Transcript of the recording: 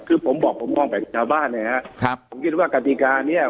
คือผมบอกผมมองแบบชาวบ้านเนี่ยฮะครับผมคิดว่ากฎิกาเนี้ย